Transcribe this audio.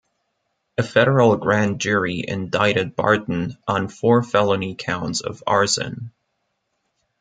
A federal grand jury indicted Barton on four felony counts of arson.